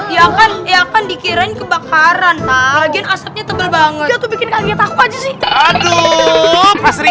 ya kan ya kan dikirain kebakaran lagi asapnya tebel banget bikin kaget aku aja sih aduh pasri